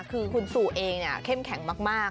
คือคุณสู่เองเข้มแข็งมาก